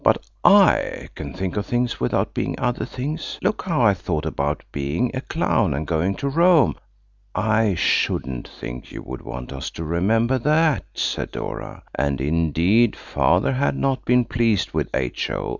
"But I can think of things without being other things. Look how I thought about being a clown, and going to Rome." "I shouldn't think you would want us to remember that," said Dora. And indeed Father had not been pleased with H.O.